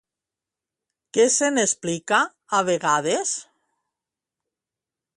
Què se n'explica, a vegades?